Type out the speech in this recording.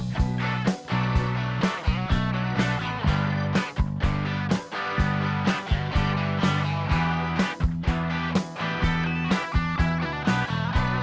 โปรดติดตามตอนต่อไป